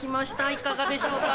いかがでしょうか？